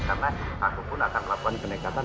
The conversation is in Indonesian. karena aku pun akan melakukan kenekatan